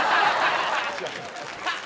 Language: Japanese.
違う。